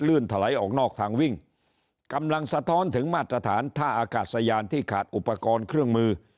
ถลายออกนอกทางวิ่งกำลังสะท้อนถึงมาตรฐานท่าอากาศยานที่ขาดอุปกรณ์เครื่องมือ